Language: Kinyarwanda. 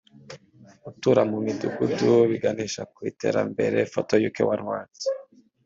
Gutura mu midugudu biganisha ku iterambere (foto uk one world)